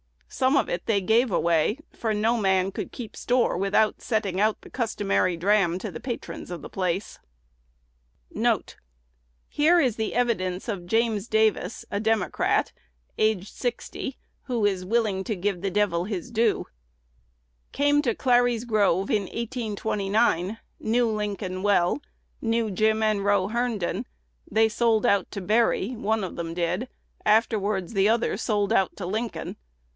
Some of it they gave away, for no man could keep store without setting out the customary dram to the patrons of the place.1 1 Here is the evidence of James Davis, a Democrat, "aged sixty," who is willing to "give the Devil his due:" "Came to Clary's Grove in 1829; knew Lincoln well; knew Jim and Row Herndon: they sold out to Berry, one of them did; afterwards the other sold out to Lincoln.